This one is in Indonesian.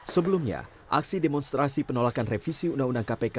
sebelumnya aksi demonstrasi penolakan revisi undang undang kpk